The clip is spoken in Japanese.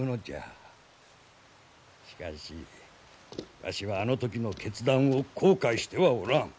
しかしわしはあの時の決断を後悔してはおらん。